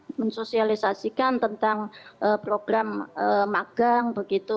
untuk mensosialisasikan tentang program magang begitu